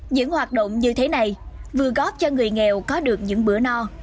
những hoạt động như thế này vừa góp cho người nghèo có được những bữa no